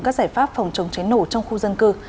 các giải pháp phòng chống cháy nổ trong khu dân cư